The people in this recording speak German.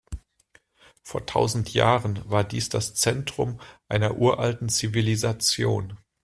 Vor tausend Jahren war dies das Zentrum einer uralten Zivilisation.